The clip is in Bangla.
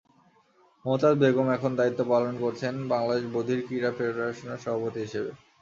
মমতাজ বেগম এখন দায়িত্ব পালন করছেন বাংলাদেশ বধির ক্রীড়া ফেডারেশনের সভাপতি হিসেবে।